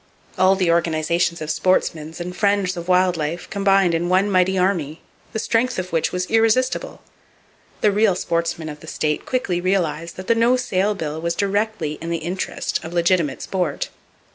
All the organizations of sportsmen and friends of wild life combined in one mighty army, the strength of which was irresistible. The real sportsmen of the state quickly realized that the no sale bill was directly in the interest of legitimate sport.